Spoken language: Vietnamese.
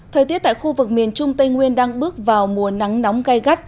thời tiết tại khu vực miền trung tây nguyên đang bước vào mùa nắng nóng gai gắt